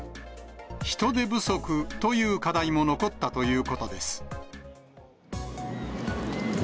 人手不足という課題も残ったということです。